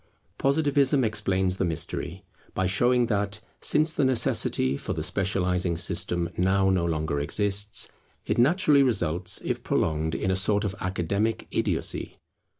Positivism explains the mystery, by showing that, since the necessity for the specializing system now no longer exists, it naturally results if prolonged, in a sort of academic idiocy.